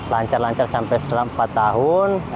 lancar lancar sampai setelah empat tahun